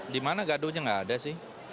di mana gaduhnya nggak ada sih